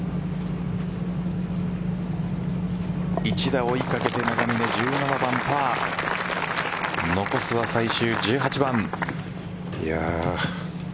１打追いかけて永峰１７番パー残すは最終１８番。